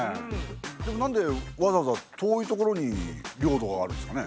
でもなんでわざわざ遠いところに領土があるんですかね？